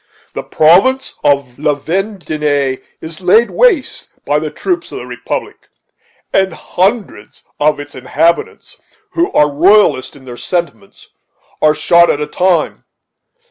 "The province of La Vendée is laid waste by the troops of the republic, and hundreds of its inhabitants, who are royalists in their sentiments, are shot at a time.